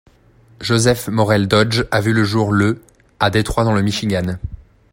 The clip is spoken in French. Joseph Morrell Dodge a vu le jour le à Détroit dans le Michigan.